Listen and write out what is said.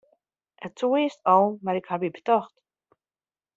It soe earst al, mar ik haw my betocht.